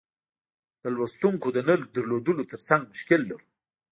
د لوستونکیو د نه لرلو ترڅنګ مشکل لرو.